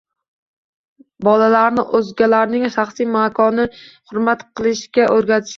Bolalarni o‘zgalarning shaxsiy makonini hurmat qilishga o‘rgatish kerak